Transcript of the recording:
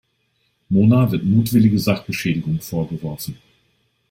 Mona wird mutwillige Sachbeschädigung vorgeworfen.